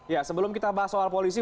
ya sebelum kita bahas soal polisi